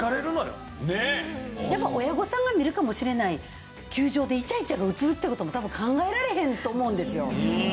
親御さんが見るかもしれない球場でイチャイチャが映るって事も多分考えられへんと思うんですよ。